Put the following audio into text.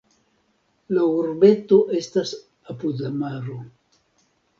La urbeto estas apud la maro.